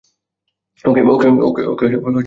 ওকে বের করে দে!